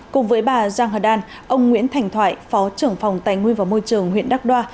cùng với bà giang hờ đan ông nguyễn thành thoại phó trưởng phòng tài nguyên và môi trường huyện đắk đoa